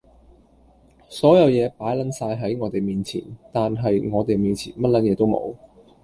所有野擺撚晒喺我哋面前，但係我哋面前乜撚嘢都冇！